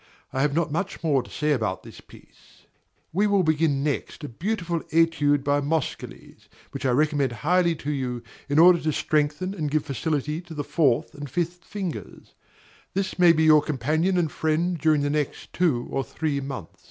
I have not much more to say about this piece. We will begin next a beautiful Etude by Moscheles, which I recommend highly to you, in order to strengthen and give facility to the fourth and fifth fingers: this may be your companion and friend during the next two or three months.